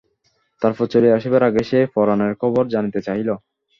তারপর চলিয়া আসিবার আগে সে পরানের খবর জানিতে চাহিল।